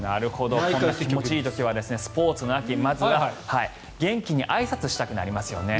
気持ちいい時はスポーツの秋で元気にあいさつしたくなりますよね。